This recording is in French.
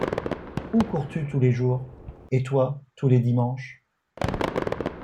Où cours-tu tous les jours? — Et toi, tous les dimanches ?